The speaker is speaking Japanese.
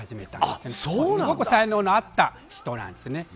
すごく才能のあった人なんですね。